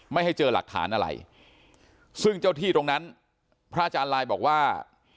ไม่ให้เจอหลักฐานอะไรซึ่งเจ้าที่ตรงนั้นพระอาจารย์ลายบอกว่า